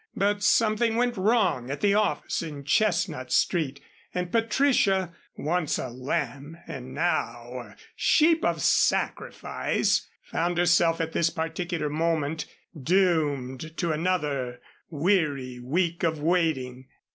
But something went wrong at the office in Chestnut Street, and Patricia, once a lamb and now a sheep of sacrifice, found herself at this particular moment doomed to another weary week of waiting.